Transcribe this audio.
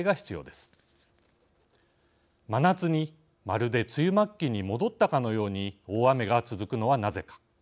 真夏にまるで梅雨末期に戻ったかのように大雨が続くのはなぜか。